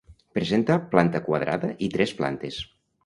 Presenta planta quadrada i tres plantes.